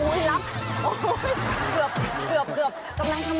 โอ้ยเกือบเกือบเกือบ